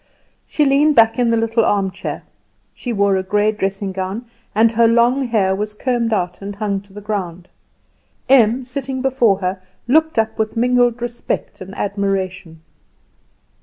She leaned back in the little armchair; she wore a grey dressing gown, and her long hair was combed out and hung to the ground. Em, sitting before her, looked up with mingled respect and admiration.